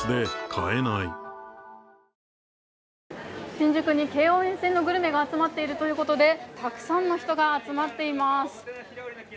新宿に京王沿線のグルメが集まっているということでたくさんの人が集まっています。